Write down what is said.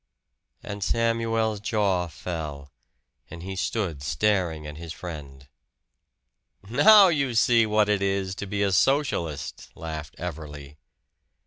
And Samuel's jaw fell, and he stood staring at his friend. "Now you see what it is to be a Socialist!" laughed Everley.